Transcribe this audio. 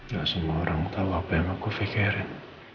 gak semua orang tahu apa yang aku pikirin